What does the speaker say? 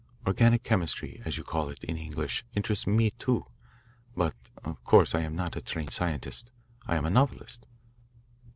Organic chemistry, as you call it in English, interests me too, but of course I am not a trained scientist I am a novelist."